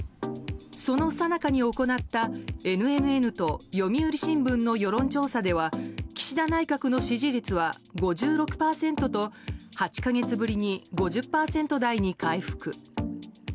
そのさなかに行ったＮＮＮと読売新聞の世論調査では岸田内閣の支持率は５６％と８か月ぶりに５０％台に回復。